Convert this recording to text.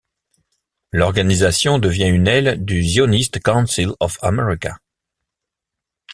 L'organisation devient une aile du Zionist Council of America.